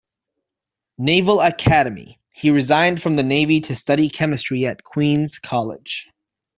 Naval Academy, he resigned from the Navy to study chemistry at Queens College.